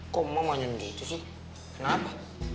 kok emak mah nyun gitu sih kenapa